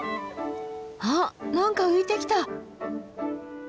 あっ何か浮いてきた！